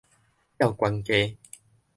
吊懸低